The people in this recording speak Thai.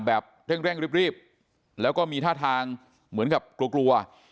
แบบเร่งรีบแล้วก็มีท่าทางเหมือนกับกลัวกลัว